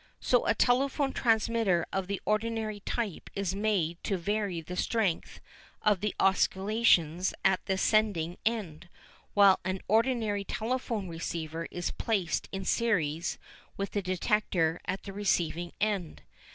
So a telephone transmitter of the ordinary type is made to vary the strength of the oscillations at the sending end, while an ordinary telephone receiver is placed in series with the detector at the receiving end.